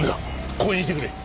ここにいてくれ。